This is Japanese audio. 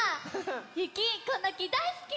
ゆきこの木だいすき！